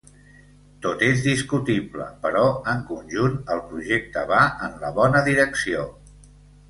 Tot és discutible, però, en conjunt, el projecte va en la bona direcció.